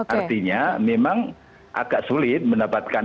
artinya memang agak sulit mendapatkan